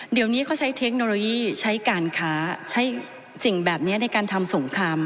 เดี๋ยวนี้เขาใช้เทคโนโลยีใช้การค้าใช้สิ่งแบบนี้ในการทำสงคราม